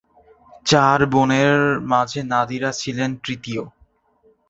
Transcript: চার বোনের মাঝে নাদিরা ছিলেন তৃতীয়।